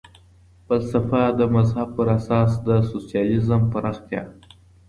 فلسفه د مذهب پر اساس د سوسیالیزم پراختیا.